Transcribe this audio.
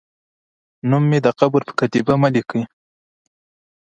نوم مې د قبر پر کتیبه مه لیکئ